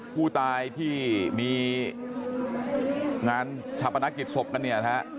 ผู้ตายที่มีงานชับประนักกิจศพกันเนี่ยฮะ